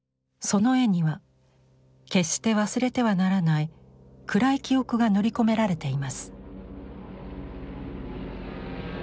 その絵には決して忘れてはならない暗い記憶が塗り込められています。